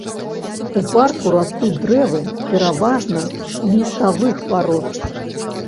У парку растуць дрэвы пераважна ліставых парод.